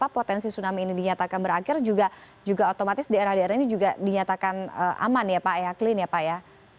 potensi tsunami ini dinyatakan berakhir juga otomatis daerah daerah ini juga dinyatakan aman ya pak ehaklin ya pak ya